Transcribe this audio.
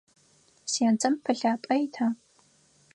Сенцэм пылъапӏэ ита?